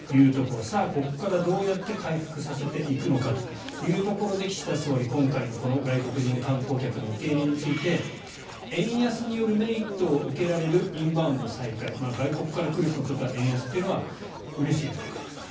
さあ、ここからどうやって回復させていくのかというところで岸田総理、今回の外国人観光客の受け入れについて円安によるメリットを受けられるインバウンド再開外国から来る人にとっては円安というのはうれしいわけです。